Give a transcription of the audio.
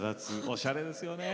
おしゃれですよね。